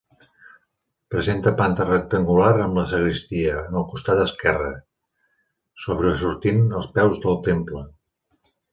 Presenta planta rectangular amb la sagristia, en el costat esquerre, sobresortint als peus del temple.